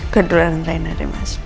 kedua orang lain ada mas